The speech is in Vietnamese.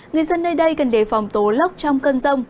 người dân nơi đây cần đề phòng tố lốc trong cơn rông